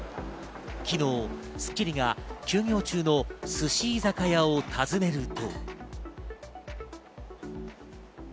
昨日『スッキリ』が休業中の寿司居酒屋を訪ねると。